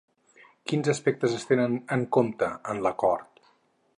Quins aspectes es tenen en compte en l'acord?